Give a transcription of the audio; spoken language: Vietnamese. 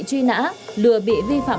cô sợ lắm